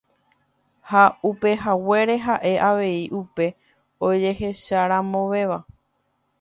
Ha upehaguére ha'e avei upe ojehecharamovéva.